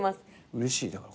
うれしいだから。